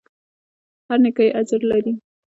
هره نېکۍ اجر لري.